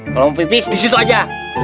kalau mau pipis disitu aja